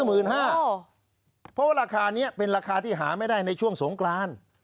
เพราะว่าราคานี้เป็นราคาที่หาไม่ได้ในช่วงสงกราน